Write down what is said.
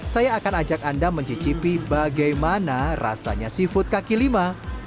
saya akan ajak anda mencicipi bagaimana rasanya seafood kaki lima